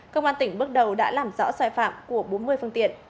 công an tỉnh bước đầu đã làm rõ sai phạm của bốn mươi phương tiện